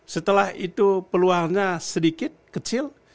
setelah itu peluangnya sedikit kecil